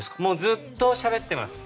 ずっとしゃべってます。